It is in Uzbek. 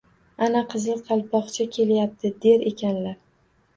— Ana, Qizil Qalpoqcha kelyapti! — der ekanlar